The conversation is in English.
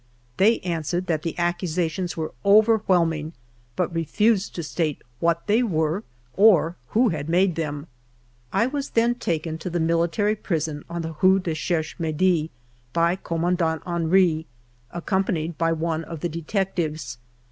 They answered that the accusations were overwhelming, but refused to state what thev were or who had made them. I was then taken to the military prison on the rue du Cherche Midi by Commandant Henry, accompanied by one of the detectives.